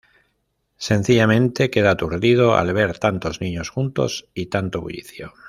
Sencillamente queda aturdido al ver tantos niños juntos y tanto bullicio.